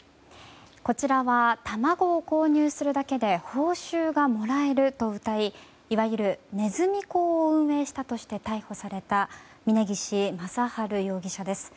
こちらは、卵を購入するだけで報酬がもらえるとうたいいわゆるネズミ講を運営したとして逮捕された峯岸正治容疑者です。